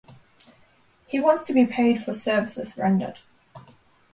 He wants to be paid for services rendered.